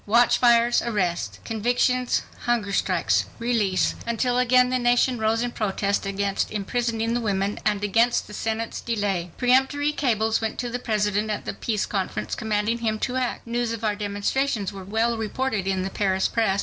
Watchfires—arrests—convictions—hunger strikes—release—until again the nation rose in protest against imprisoning the women and against the Senate's delay. Peremptory cables went to the President at the Peace Conference, commanding him to act. News of our demonstrations were well reported in the Paris press.